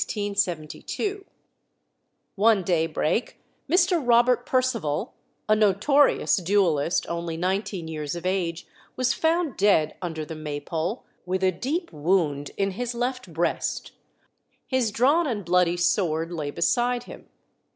One daybreak Mr. Robert Percival, a notorious duellist, only nineteen years of age, was found dead under the Maypole, with a deep wound in his left breast. His drawn and bloody sword lay beside him.